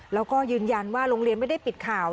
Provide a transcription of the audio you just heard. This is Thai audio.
แล้วก็ยืนยันว่าโรงเรียนไม่ได้ปิดข่าว